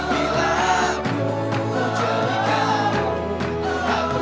miliki cinta yang baru